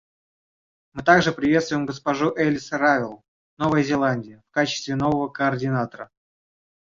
Мы также приветствуем госпожу Элис Ревел, Новая Зеландия, в качестве нового координатора.